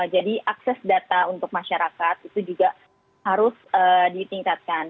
jadi akses data untuk masyarakat itu juga harus ditingkatkan